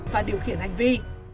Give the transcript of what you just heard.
và điều khiển hành vi